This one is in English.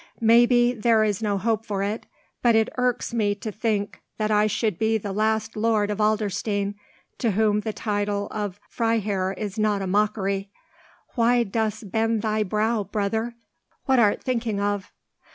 Maybe, there is no help for it; but it irks me to think that I should be the last Lord of Adlerstein to whom the title of Freiherr is not a mockery. Why dost bend thy brow, brother? What art thinking of?"